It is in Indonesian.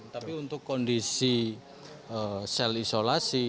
tapi untuk kondisi sel isolasi